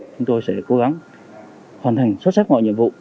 chúng tôi sẽ cố gắng hoàn thành xuất sắc mọi nhiệm vụ